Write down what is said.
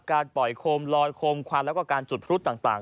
การปล่อยโคมลอยโคมควันแล้วก็การจุดพลุต่าง